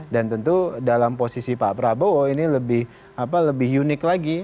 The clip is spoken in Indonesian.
dan tentu dalam posisi pak prabowo ini lebih unik lagi